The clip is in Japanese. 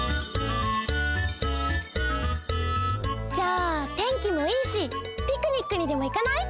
じゃあ天気もいいしピクニックにでもいかない？